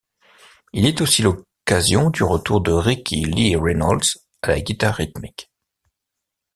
Il est aussi l’occasion du retour de Rickie Lee Reynolds à la guitare rythmique.